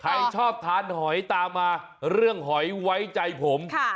ใครชอบทานหอยตามมาเรื่องหอยไว้ใจผม